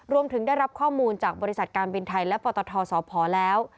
รวมถึงได้รับข้อมูลจากบริษัทการบินไทยและปตทสพแล้ว